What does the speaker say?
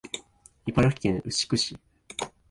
茨城県牛久市